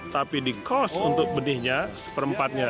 tapi dikos untuk benihnya seperempatnya